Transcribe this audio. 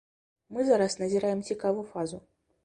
Мы зараз назіраем цікавую фазу.